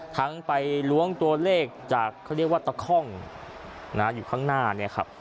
ทั้งไปล้วงตัวเลขจากเขาเรียกว่าตะค่องอยู่ข้างหน้าเนี่ยครับ